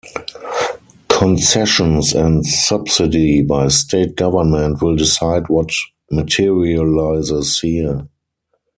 Concessions and subsidy by state government will decide what materialises here.